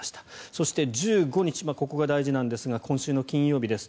そして、１５日ここが大事なんですが今週の金曜日です